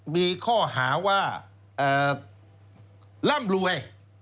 มีข้อหาว่าร่ำรวย